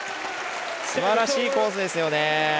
すばらしいコースですよね！